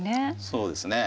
そうですね。